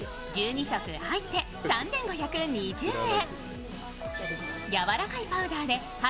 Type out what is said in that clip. １２色入って、３５２０円。